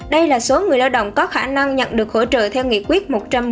đây là số người lao động có khả năng nhận được hỗ trợ theo nghị quyết một trăm một mươi